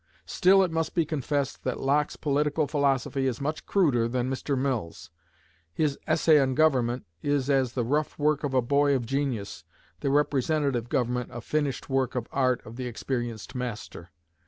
Still it must be confessed that Locke's political philosophy is much cruder than Mr. Mill's. His "Essay on Government" is as the rough work of a boy of genius, the "Representative Government" a finished work of art of the experienced master.